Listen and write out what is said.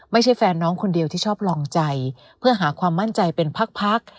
แฟนน้องคนเดียวที่ชอบลองใจเพื่อหาความมั่นใจเป็นพัก